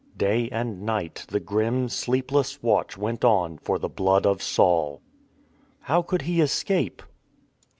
Day and night the grim, sleepless watch went on for the blood of Saul. How could he escape